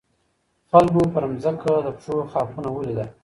خلګو پر ځمکه د پښو خاپونه ولیدل.